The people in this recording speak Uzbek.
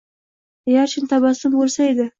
Agar chin tabassum bo’lsa edi?